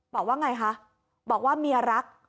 บอกว่าไงคะบอกว่าเมียรัก